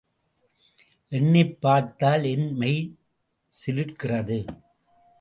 எண்ணிப்பார்த்தால், என் மெய் சிலிர்க்கிறது!